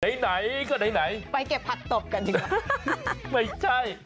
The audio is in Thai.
ในไหนก็ในไหนไปเก็บผัดตบกันดีกว่า